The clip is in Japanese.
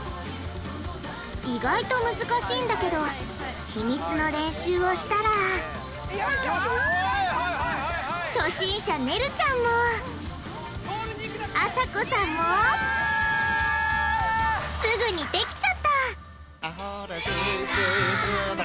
意外と難しいんだけど秘密の練習をしたら初心者ねるちゃんもあさこさんもすぐにできちゃった！